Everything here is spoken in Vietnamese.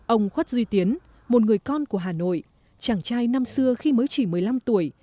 ông khuất duy tiến một người con của hà nội chàng trai năm xưa khi mới chỉ một mươi năm tuổi